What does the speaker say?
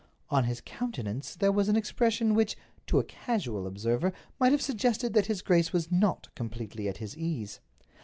On his countenance there was an expression which to a casual observer might have suggested that his grace was not completely at his ease.